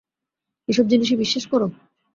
এসব জিনিসে বিশ্বাস করো?